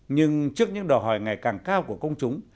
nhưng trước những đòi hỏi ngày càng cao của công chúng